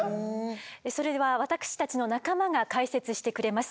それでは私たちの仲間が解説してくれます。